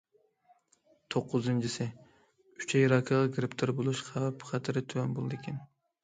توققۇزىنچىسى: ئۈچەي راكىغا گىرىپتار بولۇش خەۋپ- خەتىرى تۆۋەن بولىدىكەن.